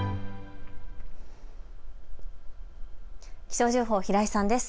気象情報、平井さんです。